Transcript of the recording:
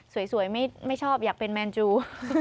สวยไม่ชอบอยากเป็นแมนจู